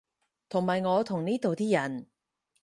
同埋我同呢度啲人